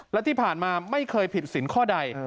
และที่ผ่านมาไม่เคยผิดสินข้อใด